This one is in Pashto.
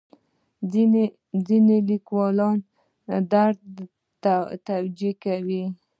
ځینې لیکوالان درد توجیه کوي.